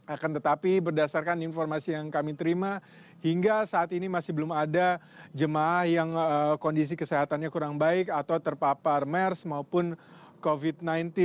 akan tetapi berdasarkan informasi yang kami terima hingga saat ini masih belum ada jemaah yang kondisi kesehatannya kurang baik atau terpapar mers maupun covid sembilan belas